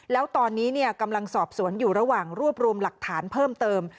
แล้วตอนนี้กำลังสอบสวนอยู่ระหว่างรวบรวมหลักฐานเพิ่มเติม